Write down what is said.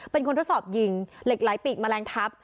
เป็นคนทดสอบยิงเหล็กไร้ปีกแมลงทัพ